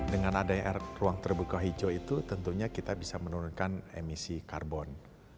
dengan adanya ruang terbuka hijau itu tentunya kita bisa menurunkan emisi karbon